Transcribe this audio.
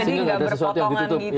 sehingga tidak ada sesuatu yang ditutup